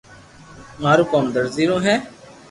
مارو ڪوم درزي رو ھي